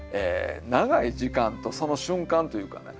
長い時間とその瞬間というかね。